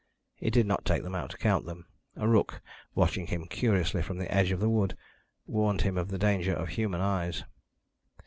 He did not take them out to count them; a rook, watching him curiously from the edge of the wood, warned him of the danger of human eyes.